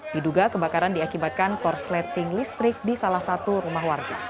diduga kebakaran diakibatkan korsleting listrik di salah satu rumah warga